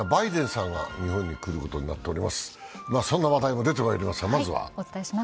そんな話題も出てまいりますが、まずは？